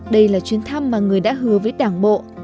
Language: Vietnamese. đây là chuyến thăm mà người đã hứa với đảng bộ